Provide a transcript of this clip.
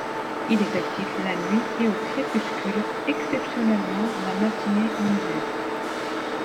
Il est actif la nuit et au crépuscule, exceptionnellement la matinée en hiver.